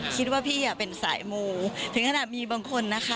คิดว่าพี่เป็นสายมูถึงขนาดมีบางคนนะคะ